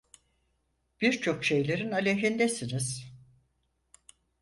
Birçok şeylerin aleyhindesiniz.